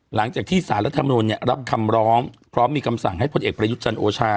หลังจากที่สารัฐมนตร์รับคำร้อมพร้อมมีคำสั่งให้ผู้เอกประยุทธ์ชาญโอชา